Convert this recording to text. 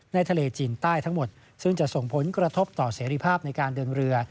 ทะเลจีนใต้ทั้งหมดซึ่งจะส่งผลกระทบต่อเสรีภาพในการเดินเรือ